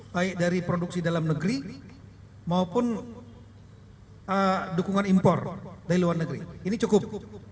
baik dari produksi dalam negeri maupun dukungan impor dari luar negeri ini cukup